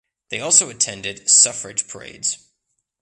They also attended suffrage parades.